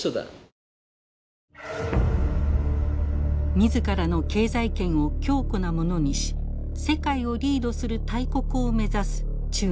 自らの経済圏を強固なものにし世界をリードする大国を目指す中国。